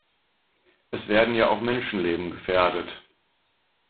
Es werden ja auch Menschenleben gefährdet.